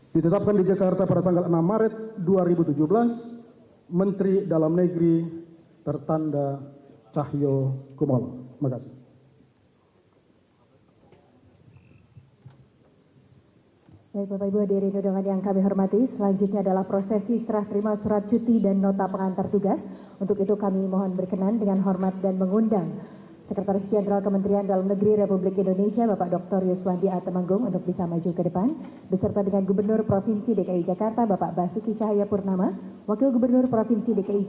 ditetapkan di jakarta pada tanggal enam maret dua ribu tujuh belas menteri dalam negeri tertanda cahyokumol